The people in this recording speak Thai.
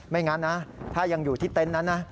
งั้นนะถ้ายังอยู่ที่เต็นต์นั้นนะ